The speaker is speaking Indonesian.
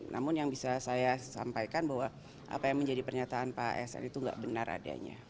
namun yang bisa saya sampaikan bahwa apa yang menjadi pernyataan pak sn itu tidak benar adanya